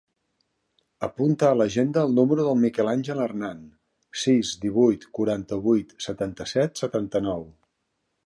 Apunta a l'agenda el número del Miguel àngel Hernan: sis, divuit, quaranta-vuit, setanta-set, setanta-nou.